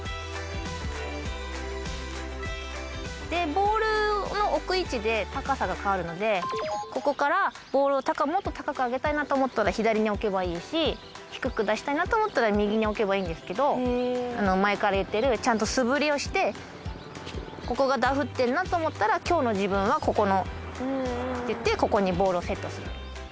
でボールの置く位置で高さが変わるのでここからボールをもっと高く上げたいなと思ったら左に置けばいいし低く出したいなと思ったら右に置けばいいんですけど前から言ってるちゃんと素振りをしてここがダフってるなと思ったら今日の自分はここのっていってここにボールをセットする。